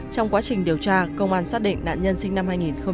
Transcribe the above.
trong quá trình điều tra công an xác định nạn nhân sinh năm hai nghìn sáu